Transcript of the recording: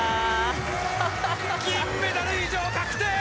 銀メダル以上確定！